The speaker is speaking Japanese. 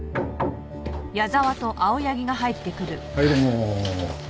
はいどうも。